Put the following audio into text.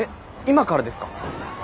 今からですか？